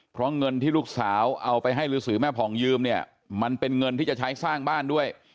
เพราะเงินที่ลูกสาวเอาไปให้ฤษีแม่ผ่องยืมเนี่ยมันเป็นเงินที่จะใช้สร้างบ้านด้วย